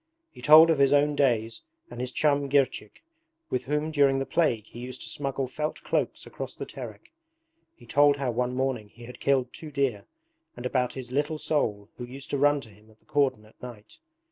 He told of his own days and his chum Girchik, with whom during the plague he used to smuggle felt cloaks across the Terek. He told how one morning he had killed two deer, and about his 'little soul' who used to run to him at the cordon at night.